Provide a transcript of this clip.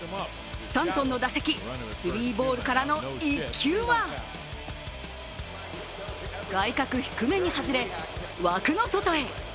スタントンの打席、スリーボールからの一球は、外角低めに外れ、枠の外へ。